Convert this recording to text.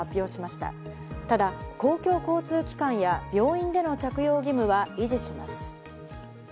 ただ、公共交通機関や病院での着用義務は維持します。